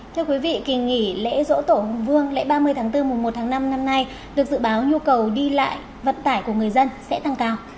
thưa quý vị kỳ nghỉ lễ dỗ tổ hùng vương lễ ba mươi tháng bốn mùa một tháng năm năm nay được dự báo nhu cầu đi lại vận tải của người dân sẽ tăng cao